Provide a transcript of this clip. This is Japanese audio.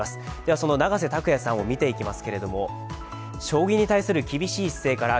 その永瀬拓矢さんを見ていきます。